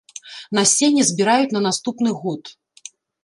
Насенне збіраюць на наступны год.